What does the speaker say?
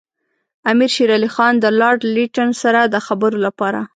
امیر شېر علي خان د لارډ لیټن سره د خبرو لپاره.